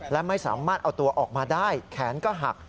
และไม่สามารถเอาตัวออกมาได้แขนก็หัก